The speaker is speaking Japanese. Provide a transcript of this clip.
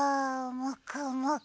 もくもく。